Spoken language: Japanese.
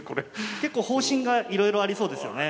結構方針がいろいろありそうですよね。